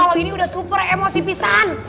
kalau ini udah super emosi pisahan